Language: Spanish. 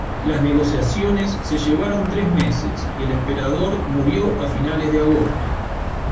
Las negociaciones se llevaron tres meses y el emperador murió a finales de agosto.